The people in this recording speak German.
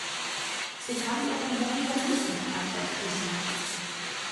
„Sie kann ihren Mund vermieten“, antwortete sie.